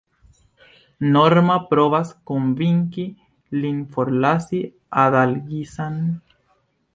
Norma provas konvinki lin forlasi Adalgisa-n.